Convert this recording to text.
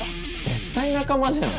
絶対仲間じゃん。